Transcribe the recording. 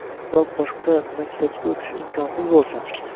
Biroq boshqa maktabga o‘tish imkonsiz bo‘lsa